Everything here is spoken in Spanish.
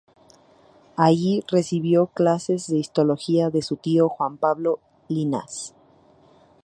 Allí recibió clases de histología de su tío Juan Pablo Llinás.